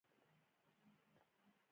ازادي راډیو د حیوان ساتنه ته پام اړولی.